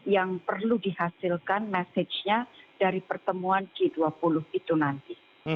yang perlu dihasilkan message nya dari pertemuan g dua puluh itu nanti